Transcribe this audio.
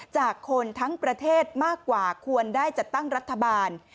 จากคนทั้งประเทศมากกว่าควรได้จัดตั้งรัฐบาล